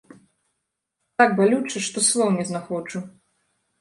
Так балюча, што слоў не знаходжу!